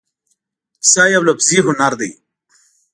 کیسه یو لفظي هنر دی.